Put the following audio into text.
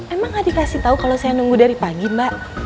emang gak dikasih tau kalau saya nunggu dari pagi mbak